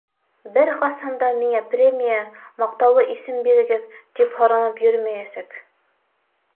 Бер ҡасан да миңә премия, маҡтаулы исем бирегеҙ, тип һоранып йөрөмәйәсәк.